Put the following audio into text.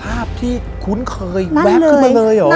ภาพที่คุ้นเคยแวบขึ้นมาเลยเหรอ